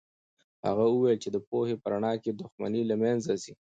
هغه وویل چې د پوهې په رڼا کې دښمني له منځه ځي.